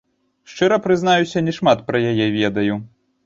Шчыра прызнаюся, не шмат пра яе ведаю.